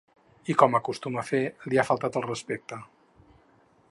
I com acostuma a fer, li ha faltat al respecte.